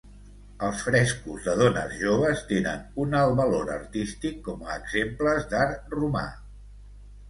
Els frescos de dones joves tenen un alt valor artístic com a exemples d'art romà.